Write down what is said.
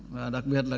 và đặc biệt là